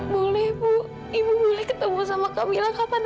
boleh bu ibu boleh ketemu sama kamilah kapan saja kok bu